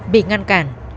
bị ngăn cản